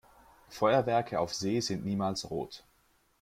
Feuerwerke auf See sind niemals rot.